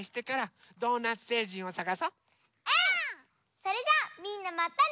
それじゃあみんなまたね！